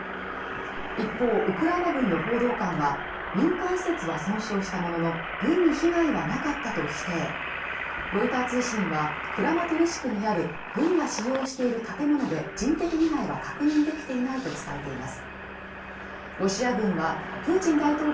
一方ウクライナ軍の報道官は民間施設は損傷したものの軍に被害はなかったとしてロイター通信はクラマトルシクにある軍が使用している建物で人的被害は確認できていないと伝えています